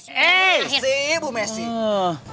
sih bu mesi